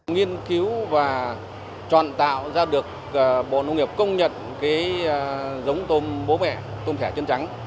nghiên cứu và chọn tạo ra được bộ nông nghiệp công nhận giống tôm bố mẹ tôm thẻ chân trắng